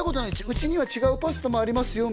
「うちには違うパスタもありますよ」